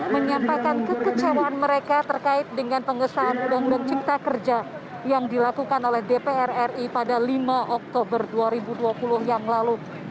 menyampaikan kekecewaan mereka terkait dengan pengesahan undang undang cipta kerja yang dilakukan oleh dpr ri pada lima oktober dua ribu dua puluh yang lalu